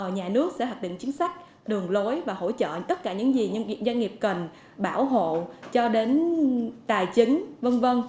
nhà nước sẽ hạch định chính sách đường lối và hỗ trợ tất cả những gì doanh nghiệp cần bảo hộ cho đến tài chính v v